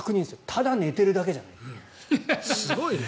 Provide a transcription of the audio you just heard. ただ寝てるだけじゃない。